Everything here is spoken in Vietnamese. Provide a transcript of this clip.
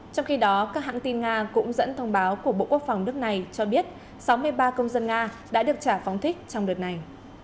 trong khi đó các hãng tin nga cũng dẫn thông báo của bộ quốc phòng nước này cho biết sáu mươi ba công dân nga đã được trả phóng thích trong đợt này